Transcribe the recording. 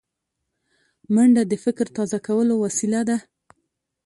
منډه د فکر تازه کولو وسیله ده